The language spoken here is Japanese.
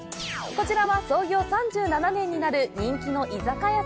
こちらは創業３７年になる人気の居酒屋。